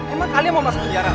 emang kalian mau masuk penjara